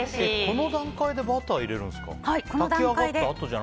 この段階でバター入れるんですか？